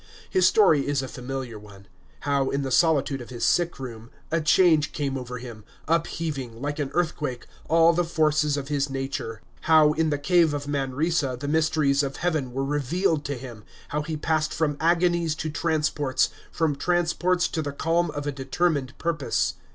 His story is a familiar one: how, in the solitude of his sick room, a change came over him, upheaving, like an earthquake, all the forces of his nature; how, in the cave of Manresa, the mysteries of Heaven were revealed to him; how he passed from agonies to transports, from transports to the calm of a determined purpose.